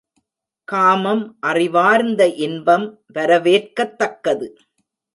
காமம் அறிவார்ந்த இன்பம் வரவேற்கத்தக்கது.